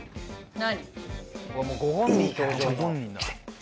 何？